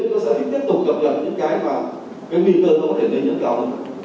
còn đối với thế này chúng ta sẽ tiếp tục chấp nhận những cái mà cái mỹ tư không thể để nhấn cầu